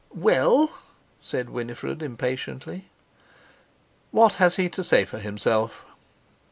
"Well?" said Winifred impatiently. "What has he to say for himself?"